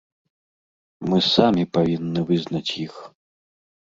Мы самі павінны вызнаць іх.